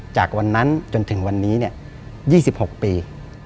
จากวันนั้นจนถึงวันนี้๒๖ปี